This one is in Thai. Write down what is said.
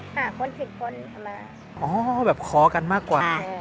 ข้าคนผลิตคนทำมาอ๋อแบบขอกันมากกว่าค่ะ